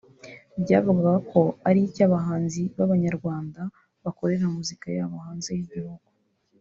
byavugwaga ko ari icy’abahanzi b’Abanyarwanda bakorera muzika yabo hanze y’igihugu